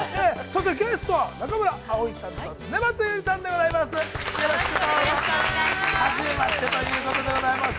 ◆そしてゲストは、中村蒼さんと、恒松祐里さんでございます。